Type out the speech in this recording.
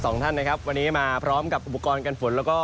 สองท่านนะครับวันนี้มาพร้อมกับอุปกรณ์กันฝนแล้วก็